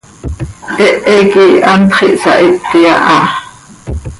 Hehe quih hantx ihsahiti aha.